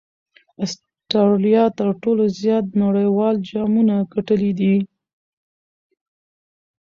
اسټراليا تر ټولو زیات نړۍوال جامونه ګټلي دي.